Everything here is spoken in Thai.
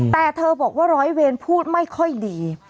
แต่เธอบอกว่าร้อยเวรพูดไม่ค่อยดี